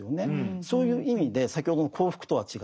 そういう意味で先ほどの幸福とは違う。